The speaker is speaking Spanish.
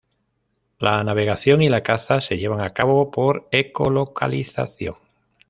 La navegación y la caza se llevan a cabo por ecolocalización.